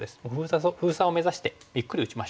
封鎖を目指してゆっくり打ちましょう。